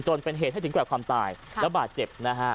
จนเป็นเหตุให้ถึงแก่ความตายและบาดเจ็บนะฮะ